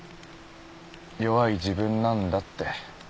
弱い自分なんだって。